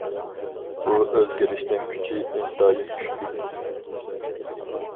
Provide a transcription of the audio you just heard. بۇ ئۆزگىرىشنىڭ كۈچى ئىنتايىن كۈچلۈك.